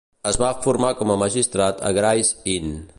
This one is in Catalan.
Es va formar com a magistrat a Gray's Inn.